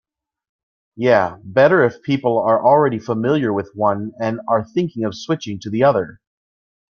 Yeah, better if people are already familiar with one and are thinking of switching to the other.